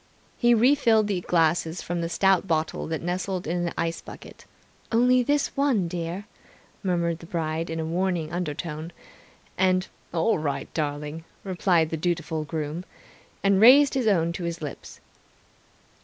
He refilled the glasses from the stout bottle that nestled in the ice bucket ("Only this one, dear!" murmured the bride in a warning undertone, and "All right darling!" replied the dutiful groom) and raised his own to his lips.